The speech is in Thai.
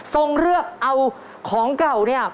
เลือกเอาของเก่าเนี่ย